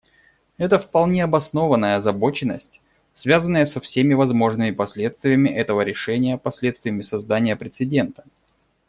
Это вполне обоснованная озабоченность, связанная со всеми возможными последствиями этого решения, последствиями создания прецедента.